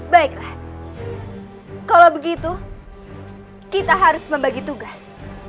baiklah kalau begitu kita harus membagi tugas